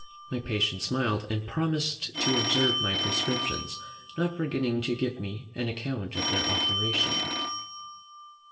My patient smiled and promised to observe my prescriptions, not forgetting to give me an account of their operation.